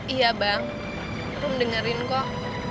iya bang aku dengerin kok